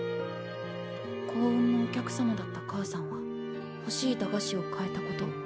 幸運のお客様だった母さんはほしい駄菓子を買えたこと。